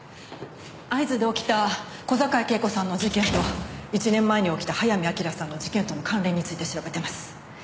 会津で起きた小坂井恵子さんの事件と１年前に起きた早見明さんの事件との関連について調べてます。